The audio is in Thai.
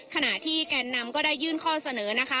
ขณะที่แกนนำก็ได้ยื่นข้อเสนอนะคะ